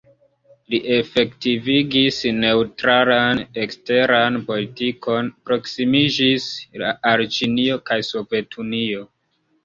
Li efektivigis neŭtralan eksteran politikon, proksimiĝis al Ĉinio kaj Sovetunio.